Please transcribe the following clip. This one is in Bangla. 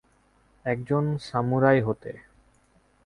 একজন সামুরাই হতে।